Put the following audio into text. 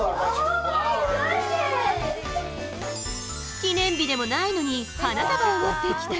記念日でもないのに花束を持って帰宅。